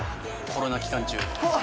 コロナ期間中。